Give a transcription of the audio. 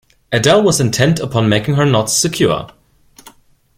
Adele was intent upon making her knots secure.